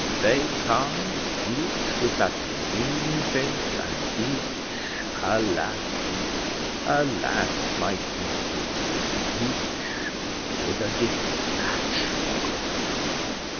They come; each with that serene face, and each, alas, me! alas, my country! each with a despatch box!